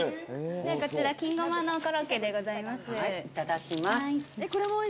こちら、金ごまのコロッケでございます。